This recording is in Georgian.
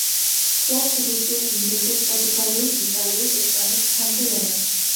ფლობს რუსულ, ინგლისურ, პორტუგალიურ, იტალიურ, ესპანურ, ფრანგულ ენებს.